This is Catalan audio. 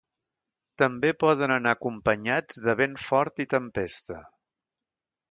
També poden anar acompanyats de vent fort i tempesta.